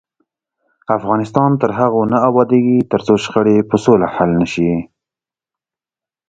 افغانستان تر هغو نه ابادیږي، ترڅو شخړې په سوله حل نشي.